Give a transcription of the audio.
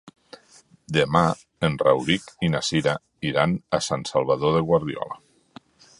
Demà en Rauric i na Cira iran a Sant Salvador de Guardiola.